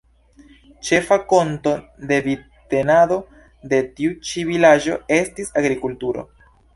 Ĉefa fonto de vivtenado de tiu ĉi vilaĝo estis agrikulturo.